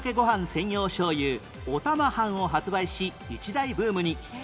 専用醤油「おたまはん」を発売し一大ブームに